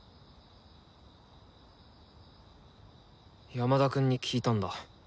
山田くんに聞いたんだ。